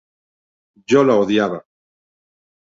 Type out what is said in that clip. Yo la odiaba.